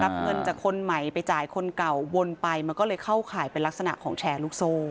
เงินจากคนใหม่ไปจ่ายคนเก่าวนไปมันก็เลยเข้าข่ายเป็นลักษณะของแชร์ลูกโซ่